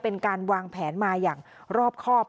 เป็นการวางแผนมาอย่างรอบครอบ